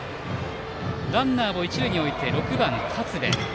ランナーを一塁に置いて６番の勝部。